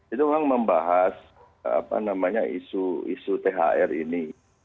itu orang membahas apa namanya isu thr ini